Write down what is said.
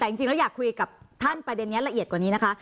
แต่จริงแล้วอยากคุยกับท่านประเด็นนี้ละเอียดกว่านี้นะคะ